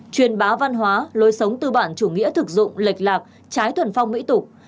truyền bá văn hóa lôi sống tư bản chủ nghĩa thực dụng lệch lạc trái tuần phong mỹ tục